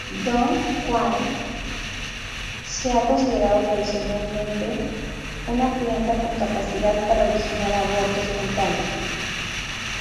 Dong Quai se ha considerado tradicionalmente una planta con capacidad para originar aborto espontáneo.